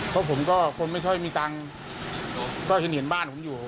เพราะผมก็คนไม่ค่อยมีตังค์ก็เห็นเห็นบ้านผมอยู่